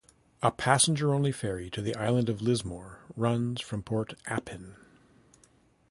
A passenger-only ferry to the island of Lismore runs from Port Appin.